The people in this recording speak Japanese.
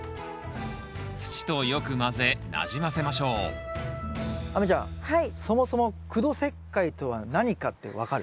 土とよく混ぜなじませましょう亜美ちゃんそもそも苦土石灰とは何かって分かる？